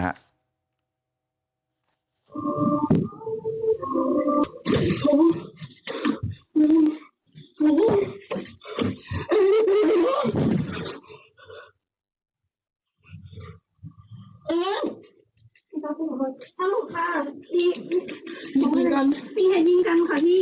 สำหรับทุกคนสำหรับลูกค้าพี่มีเหตุผลกันมีเหตุผลกันค่ะพี่